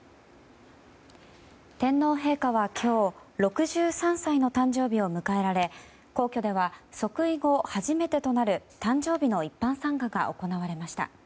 天皇陛下は今日６３歳の誕生日を迎えられ皇居では即位後初めてとなる誕生日の一般参賀が行われました。